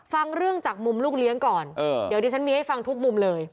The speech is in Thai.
ฟังเรื่องจากมุมลูกเลี้ยงก่อนเดี๋ยวดิฉันมีให้ฟังทุกมุมเลย